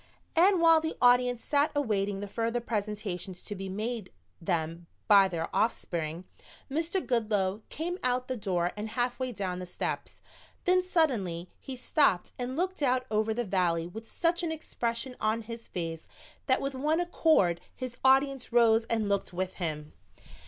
And while the audience sat awaiting the further presentations to be made them by their offspring, Mr. Goodloe came out the door and halfway down the steps. Then suddenly he stopped and looked out over the valley with such an expression on his face that with one accord his audience rose and looked with him.